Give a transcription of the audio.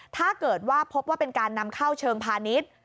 ถ้าเกิดว่าพบว่าเป็นการนำเข้าเชิงพาณิชย์